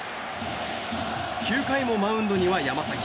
９回もマウンドには山崎。